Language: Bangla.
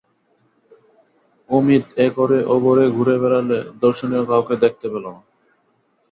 অমিত এ-ঘরে ও-ঘরে ঘুরে বেড়ালে, দর্শনীয় কাউকে দেখতে পেলে না।